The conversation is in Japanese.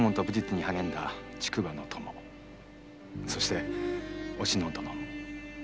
そしてお篠殿も。